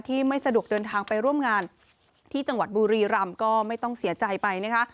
ไม่สะดวกเดินทางไปร่วมงานที่จังหวัดบุรีรำก็ไม่ต้องเสียใจไปนะคะ